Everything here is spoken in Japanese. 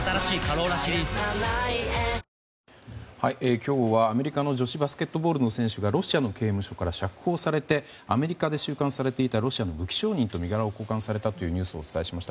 今日はアメリカの女子バスケットボールの選手がロシアの刑務所から釈放されてアメリカで収監されていたロシアの武器商人と身柄を交換されたというニュースをお伝えしました。